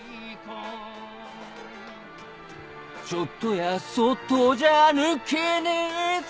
「ちょっとやそっとじゃ抜けねえぜ」